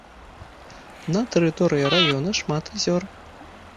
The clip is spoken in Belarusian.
На тэрыторыі раёна шмат азёр.